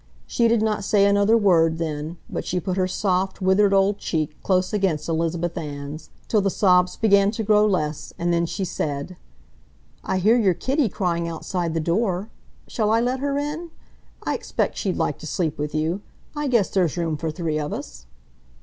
She did not say another word then, but she put her soft, withered old cheek close against Elizabeth Ann's, till the sobs began to grow less, and then she said: "I hear your kitty crying outside the door. Shall I let her in? I expect she'd like to sleep with you. I guess there's room for three of us."